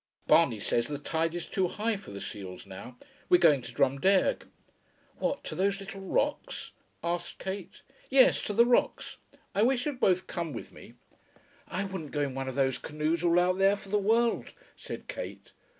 "Barney says the tide is too high for the seals now. We're going to Drumdeirg." "What, to those little rocks?" asked Kate. "Yes, to the rocks. I wish you'd both come with me." "I wouldn't go in one of those canoes all out there for the world," said Kate.